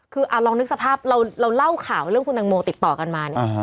คือลองนึกสภาพเราเล่าข่าวเรื่องคุณตังโมติดต่อกันมาเนี่ย